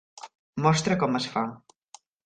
Mostra com es fa".